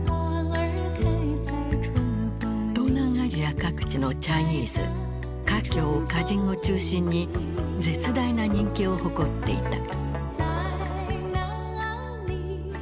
東南アジア各地のチャイニーズ華僑華人を中心に絶大な人気を誇っていた。